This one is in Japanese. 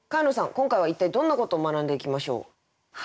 今回は一体どんなことを学んでいきましょう？